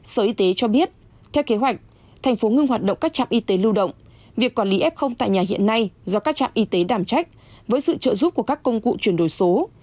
sở y tế cho biết theo kế hoạch thành phố ngưng hoạt động các trạm y tế lưu động việc quản lý f tại nhà hiện nay do các trạm y tế đảm trách với sự trợ giúp của các công cụ chuyển đổi số